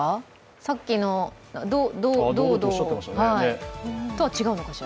さっきのドウドウとは違うのかしら？